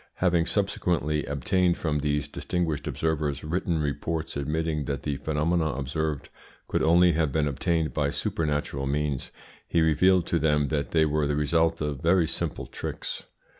Having subsequently obtained from these distinguished observers written reports admitting that the phenomena observed could only have been obtained by supernatural means, he revealed to them that they were the result of very simple tricks.